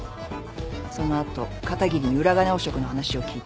その後片桐に裏金汚職の話を聞いた。